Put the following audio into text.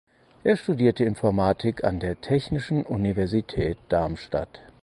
Er studierte Informatik an der Technischen Universität Darmstadt.